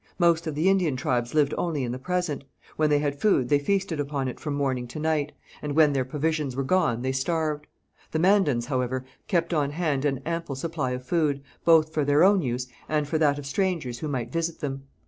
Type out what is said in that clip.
Most of the Indian tribes lived only in the present; when they had food they feasted upon it from morning to night, and when their provisions were gone they starved. The Mandans, however, kept on hand an ample supply of food, both for their own use and for that of strangers who might visit them.